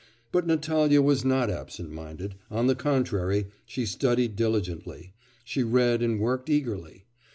But Natalya was not absent minded; on the contrary, she studied diligently; she read and worked eagerly.